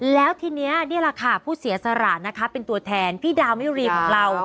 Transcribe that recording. แล้วทีนี้นี่แหละค่ะผู้เสียสละนะคะเป็นตัวแทนพี่ดาวมิรีของเรา